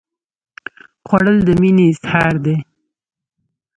خوړل د مینې اظهار دی